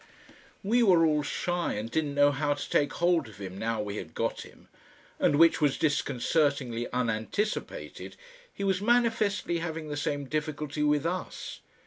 We were all shy and didn't know how to take hold of him now we had got him, and, which was disconcertingly unanticipated, he was manifestly having the same difficulty with us.